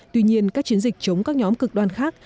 tuy nhiên các chiến dịch chống các nhóm cực đoan khác